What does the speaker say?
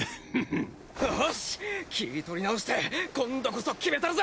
おっし気ぃ取り直して今度こそ決めたるぜ。